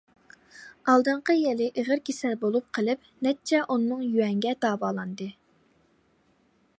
ئالدىنقى يىلى ئېغىر كېسەل بولۇپ قېلىپ، نەچچە ئون مىڭ يۈەنگە داۋالاندى.